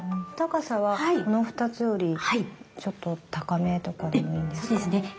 高さはこの２つよりちょっと高めとかでもいいですか？